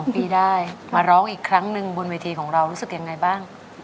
ปีได้มาร้องอีกครั้งหนึ่งบนเวทีของเรารู้สึกยังไงบ้าง